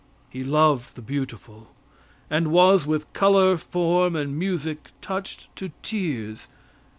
He loved the beautiful and was with color, form and music touched to tears.